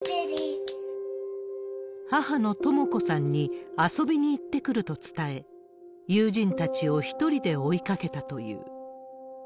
ばっちり、母のとも子さんに、遊びに行ってくると伝え、友人たちを１人で追いかけたという。